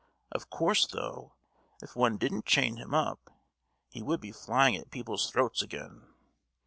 Of course, though, if one didn't chain him up, he would be flying at people's throats again!